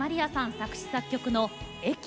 作詞・作曲の「駅」。